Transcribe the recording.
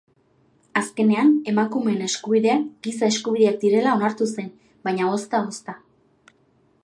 Azkenean emakumeen eskubideak giza eskubideak direla onartu zen, baina ozta-ozta.